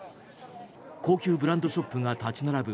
高級ブランドショップが立ち並ぶ